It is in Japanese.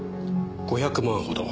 ５００万ほど。